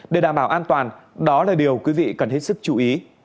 để đảm bảo an toàn đó là điều quý vị cần hết sức chú ý